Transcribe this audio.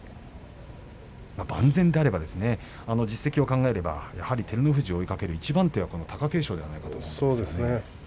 万全であれば実績を考えればやはり照ノ富士を追いかける一番手は貴景勝ではないかそうですね。